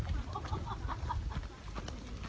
สวัสดีครับทุกคน